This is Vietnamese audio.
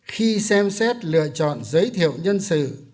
khi xem xét lựa chọn giới thiệu nhân sự